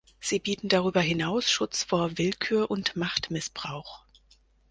Sie bieten darüber hinaus Schutz vor Willkür und Machtmissbrauch.